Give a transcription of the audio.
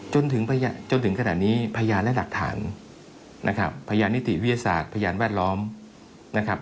จนถึงจนถึงขนาดนี้พยานและหลักฐานนะครับพยานนิติวิทยาศาสตร์พยานแวดล้อมนะครับ